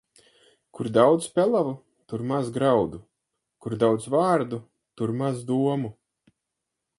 Kur daudz pelavu, tur maz graudu; kur daudz vārdu, tur maz domu.